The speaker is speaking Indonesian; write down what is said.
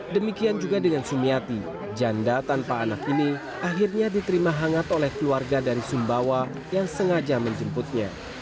demikian juga dengan sumiati janda tanpa anak ini akhirnya diterima hangat oleh keluarga dari sumbawa yang sengaja menjemputnya